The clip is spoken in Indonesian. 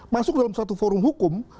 masuk dalam satu forum hukum